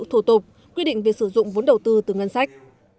thủ tục quy định về sử dụng vốn đầu tư từ ngân sách